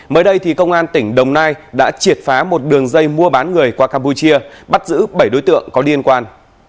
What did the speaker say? mới đây thì công an tỉnh đồng nai đã triệt phá một đường dây mua bán người qua campuchia bắt giữ bảy đối tượng có liên quan